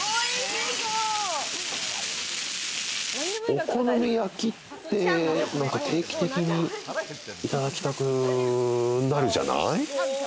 お好み焼きって定期的にいただきたくなるじゃない？